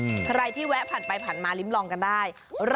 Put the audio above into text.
ส่วนเมนูที่ว่าคืออะไรติดตามในช่วงตลอดกิน